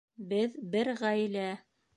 Беҙ бер ғаилә